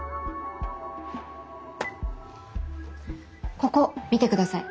ここ見てください。